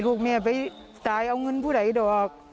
ลูกแม่ไปตายเอาเงินพูดให้ดอก